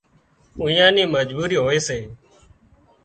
اويئان نِي مجبُوري هوئي سي